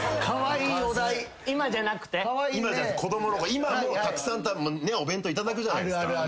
今もうたくさんお弁当いただくじゃないですか。